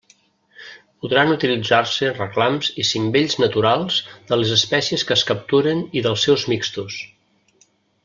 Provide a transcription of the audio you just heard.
Podran utilitzar-se reclams i cimbells naturals de les espècies que es capturen i dels seus mixtos.